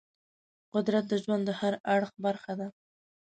قدرت د ژوند د هر اړخ برخه ده.